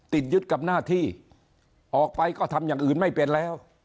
ติดยึดกับหน้าที่ออกไปก็ทำอย่างอื่นไม่เป็นแล้ว